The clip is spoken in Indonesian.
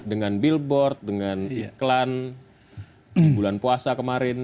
dengan billboard dengan iklan di bulan puasa kemarin